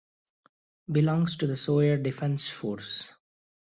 Belongs to the Soya Defense Force.